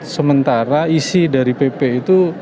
sementara isi dari pp itu